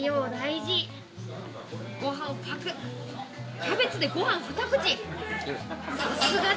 キャベツでご飯２口。